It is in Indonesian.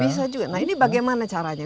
bisa juga nah ini bagaimana caranya